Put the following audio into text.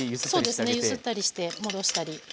そうですね揺すったりして戻したり。